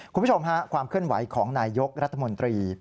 คุณผู้ชมค่ะความเคลื่อนไหวของนายยกรัฐมนตรี